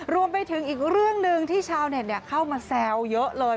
รวมไปถึงอีกเรื่องหนึ่งที่ชาวเน็ตเข้ามาแซวเยอะเลย